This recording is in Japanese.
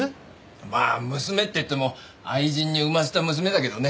まあ娘って言っても愛人に産ませた娘だけどね。